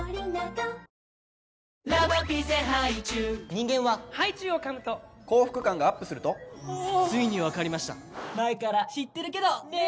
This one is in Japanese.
人間はハイチュウをかむと幸福感がＵＰするとついに分かりました前から知ってるけどねー！